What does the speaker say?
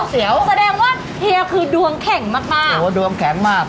เหยียวโอ้โฮแสดงว่าเหรียวคือดวงแข็งมาก